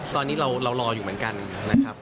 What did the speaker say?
ตอนนี้เรารออยู่เหมือนกันนะครับ